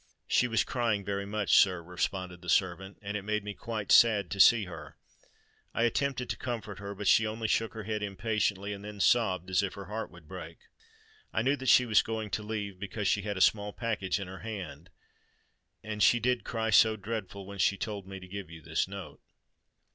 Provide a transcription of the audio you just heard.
"She was crying very much, sir," responded the servant; "and it made me quite sad to see her. I attempted to comfort her; but she only shook her head impatiently, and then sobbed as if her heart would break. I knew that she was going to leave, because she had a small package in her hand; and she did cry so dreadful when she told me to give you this note."